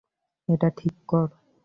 এটা ঠিক কর।